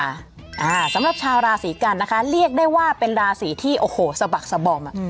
อ่าสำหรับชาวราศีกันนะคะเรียกได้ว่าเป็นราศีที่โอ้โหสะบักสะบอมอ่ะ